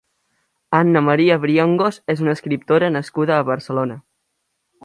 Ana María Briongos és una escriptora nascuda a Barcelona.